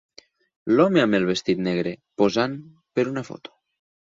L'home amb el vestit negre posant per una foto.